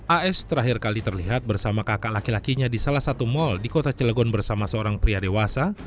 as terakhir kali terlihat bersama kakak laki lakinya di salah satu mal di kota cilegon bersama seorang pria dewasa